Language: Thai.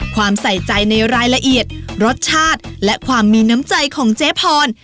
ใส่ใจในรายละเอียดรสชาติและความมีน้ำใจของเจ๊พร